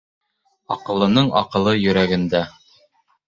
Аҡыллының аҡылы йөрәгендә